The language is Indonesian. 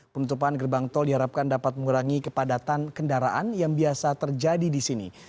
penutupan gerbang tol diharapkan dapat mengurangi kepadatan kendaraan yang biasa terjadi di sini